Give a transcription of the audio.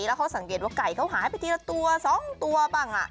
แล้วเขาสังเกตว่าไก่เขาหายไปทีละตัว๒ตัวบ้าง